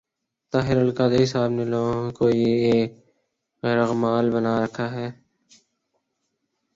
طاہر القادری صاحب نے لوگوں کو یرغمال بنا رکھا ہے۔